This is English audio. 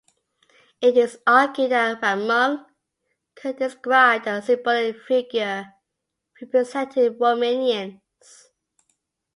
It is argued that "Ramunc" could describe a symbolic figure, representing Romanians.